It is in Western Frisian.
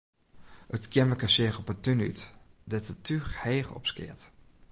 It keammerke seach op 'e tún út, dêr't it túch heech opskeat.